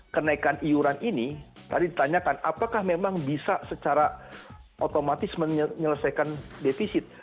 kenaikan iuran ini tadi ditanyakan apakah memang bisa secara otomatis menyelesaikan defisit